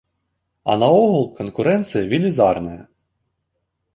А наогул канкурэнцыя велізарная.